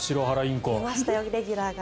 出ましたよレギュラーが。